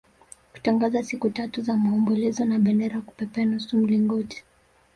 kutangaza siku tatu za maombolezo na bendera kupepea nusu mlingoti